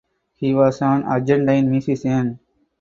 He was an Argentine musician.